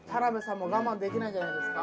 もう我慢できないんじゃないですか？